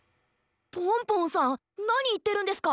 ポンポンさんなにいってるんですか？